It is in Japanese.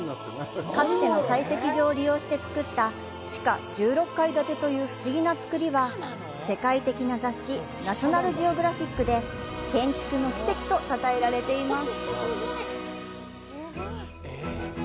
かつての採石場を利用して造った地下１６階建てという不思議な造りは、世界的な雑誌「ナショナルジオグラフィック」で「建築の奇跡」と称えられています。